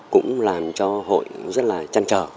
cũng làm cho hội rất là chăn trở